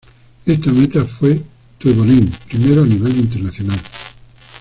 Esta meta fue Toivonen primero a nivel internacional.